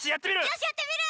よしやってみる。